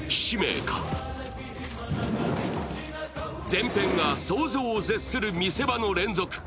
全編が想像を絶する見せ場の連続。